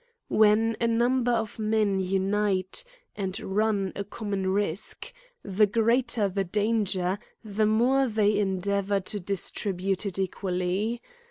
When a number of men unite, and run a common risk, the greater the danger, the more they endeavour to distribute it ecpally.